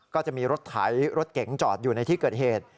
ก็จะมีรถไถรถเก๋งจอดอยู่ในที่เกิดเหตุ